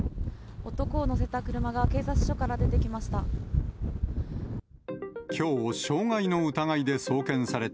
男を乗せた車が警察署から出てきました。